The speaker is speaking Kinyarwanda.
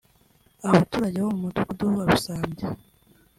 Abaturage bo mu Mudugudu wa Rusambya